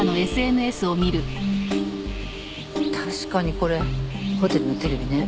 確かにこれホテルのテレビね。